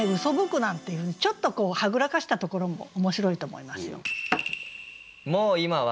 「嘯く」なんていうちょっとはぐらかしたところも面白いと思いますよ。